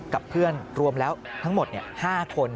กับเพื่อนรวมแล้วทั้งหมด๕คน